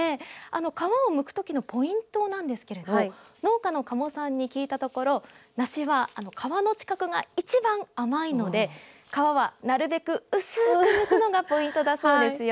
皮をむくときのポイントなんですけど農家の加茂さんに聞いたところ梨は皮の近くが一番甘いので皮は、なるべく薄くむくのがポイントだそうですよ。